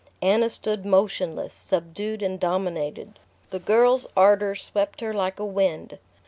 Anna stood motionless, subdued and dominated. The girl's ardour swept her like a wind.